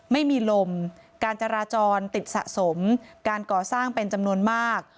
ไม่มีลมการจราจรติดสะสมการก่อสร้างเป็นจำนวนมาก